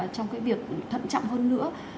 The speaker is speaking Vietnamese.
trong cái việc thận chậm hơn nữa